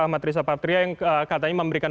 ahmad rizal patria yang katanya memberikan